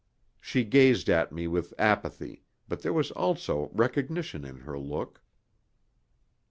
She gazed at me with apathy, but there was also recognition in her look.